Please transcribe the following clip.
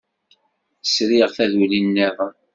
Sriɣ taduli niḍen.